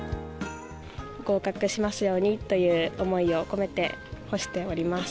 合格しますようにという思いを込めて干しております。